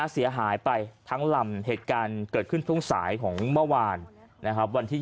เสียหายไปทั้งลำเหตุการณ์เกิดขึ้นช่วงสายของเมื่อวานนะครับวันที่๒